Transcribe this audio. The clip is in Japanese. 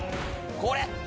これ！